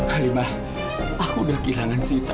halimah aku udah kehilangan sita